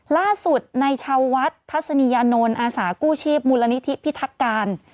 ล่าสุดในชาววัดทัศนียานนท์อาสากู้ชีพมูลนิธิพิทักการ